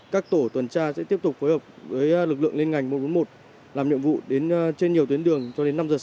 các tổ tuần tra sẽ tiếp tục phối hợp với lực lượng liên ngành một trăm bốn mươi một làm nhiệm vụ đến trên nhiều tuyến đường cho đến năm h sáng